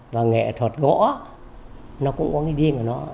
và nghệ thuật gõ nó cũng có cái duyên của nó